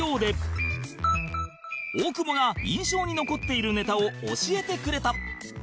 大久保が印象に残っているネタを教えてくれた